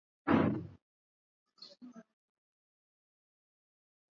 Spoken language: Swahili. Wewe umefika ngapi